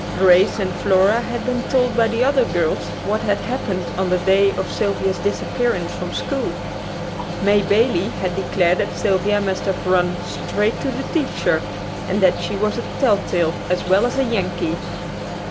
Grace and Flora had been told by the other girls what had happened on the day of Sylvia's disappearance from school. May Bailey had declared that Sylvia must have "run straight to the teacher," and that she was a telltale as well as a "Yankee."